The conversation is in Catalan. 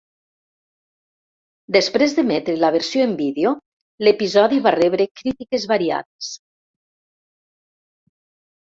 Després d'emetre la versió en vídeo, l'episodi va rebre crítiques variades.